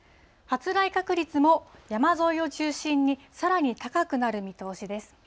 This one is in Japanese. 発雷確率も山沿いを中心に、さらに高くなる見通しです。